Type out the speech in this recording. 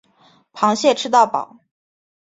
螃蟹吃到饱